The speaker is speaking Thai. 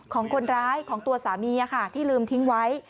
ของคนร้ายของตัวสามีที่ลืมทิ้งไว้